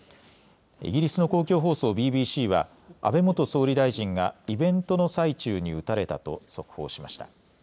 イギリスの公共放送ＢＢＣは安倍元総理大臣がイベントの最中に撃たれたと速報しました。